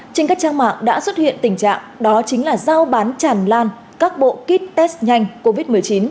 trên các trang mạng đã xuất hiện tình trạng đó chính là giao bán tràn lan các bộ kit test nhanh covid một mươi chín